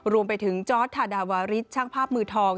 รวมไปถึงจอร์ดธาดาวาริสช่างภาพมือทอง